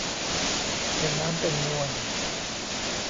เป็นน้ำเป็นนวล